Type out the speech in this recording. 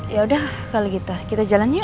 yaudah kalau gitu kita jalan yuk